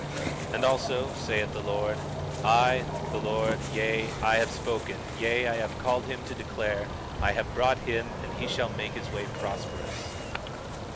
20:15 Also, saith the Lord; I the Lord, yea, I have spoken; yea, I have called him to declare, I have brought him, and he shall make his way prosperous.